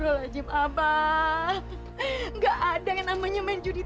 tidak ada yang namanya menjuni